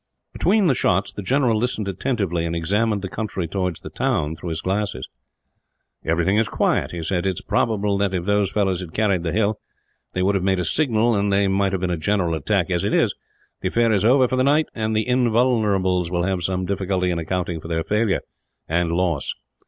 Between the shots the general listened attentively, and examined the country towards the town through his glasses. "Everything is quiet," he said. "It is probable that, if those fellows had carried the hill, they would have made a signal, and there might have been a general attack. As it is, the affair is over for the night; and the Invulnerables will have some difficulty in accounting for their failure, and loss.